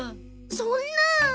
そんなあ。